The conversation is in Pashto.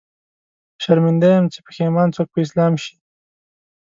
شرمنده يم، چې پښېمان څوک په اسلام شي